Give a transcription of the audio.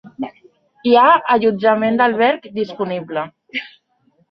Hi ha allotjament d'alberg disponible.